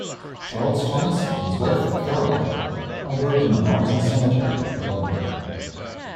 Charles Thomas and his wife Caroline are buried in Brompton Cemetery, London.